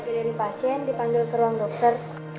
dari pasien dipanggil ke ruang dokter